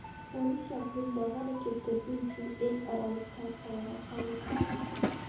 Орусия Крымдагы аракеттери үчүн эл аралык санкцияларга кабылган.